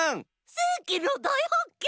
せいきのだいはっけん！